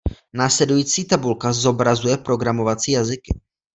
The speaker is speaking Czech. Následující tabulka zobrazuje programovací jazyky.